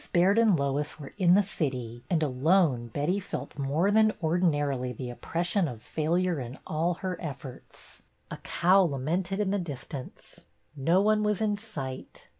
Baird and Lois were in the city and, alone, Betty felt more than ordinarily the oppression of failure in all' her efforts. A cow lamented in the distance. No one was in sight.